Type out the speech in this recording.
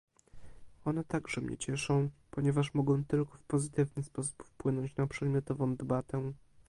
One także mnie cieszą, ponieważ mogą tylko w pozytywny sposób wpłynąć na przedmiotową debatę